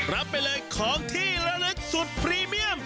รับไปเลยของที่ระลึกสุดพรีเมียม